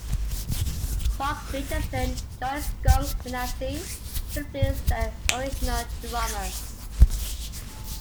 Mark Richardson joined Skunk Anansie to replace their original drummer.